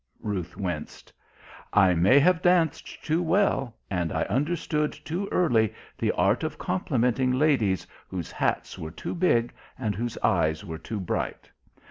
Ruth winced. "I may have danced too well, and I understood too early the art of complimenting ladies whose hats were too big and whose eyes were too bright....